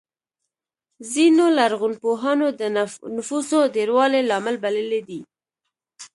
ځینو لرغونپوهانو د نفوسو ډېروالی لامل بللی دی.